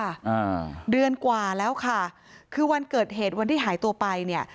อ่าเดือนกว่าแล้วค่ะคือวันเกิดเหตุวันที่หายตัวไปเนี่ย